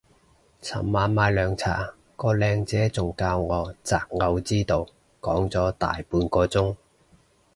尋晚買涼茶個靚姐仲教我擇偶之道講咗大半個鐘